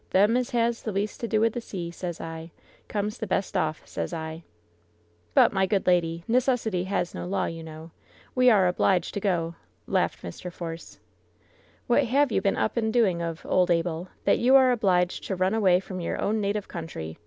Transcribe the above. Them as has the least to do with the sea, sez I, comes the best off, sezir "But, my good lady, necessity has no law, you know. We are obliged to go," laughed Mr. Force. "What have you been up and doing of, old Abel, that you are obliged to run away from your own native coun try